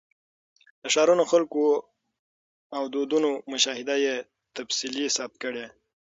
د ښارونو، خلکو او دودونو مشاهده یې تفصیلي ثبت کړې.